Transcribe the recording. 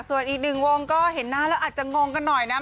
ส่วนอีกหนึ่งวงก็เห็นหน้าแล้วอาจจะงงกันหน่อยนะ